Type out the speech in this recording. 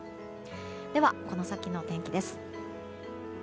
では、この先の天気です。